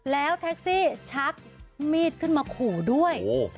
แล้วแท็กซี่ชักมีดขึ้นมาขู่ด้วย